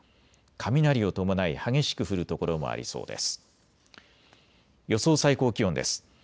雷を伴い激しく降る所もありそうです。